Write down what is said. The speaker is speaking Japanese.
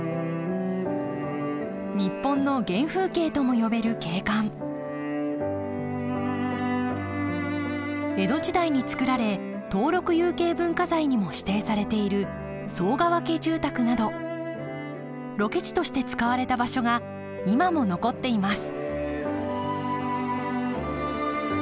日本の原風景とも呼べる景観江戸時代につくられ登録有形文化財にも指定されている寒川家住宅などロケ地として使われた場所が今も残っています